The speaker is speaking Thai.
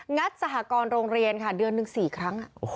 สหกรณ์โรงเรียนค่ะเดือนหนึ่ง๔ครั้ง